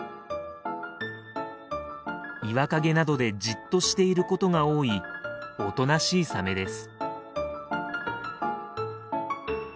岩陰などでじっとしていることが多いおとなしいサメです。